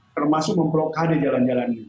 termasuk memprokade jalan jalan ini